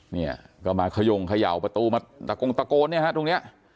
เนี่ยก็มาขยงเขย่าประตูมาตะโกงตะโกนเนี่ยฮะตรงเนี้ย